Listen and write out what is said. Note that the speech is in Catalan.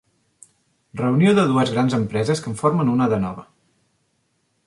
Reunió de dues grans empreses que en formen una de nova.